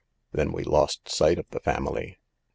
Then we lost sight of the family.